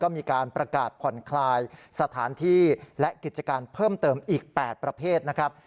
มีการประกาศผ่อนคลายสถานที่และกิจการเพิ่มเติมอีก๘ประเภทนะครับ